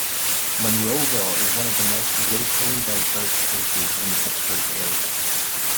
Monroeville is one of the most racially diverse places in the Pittsburgh area.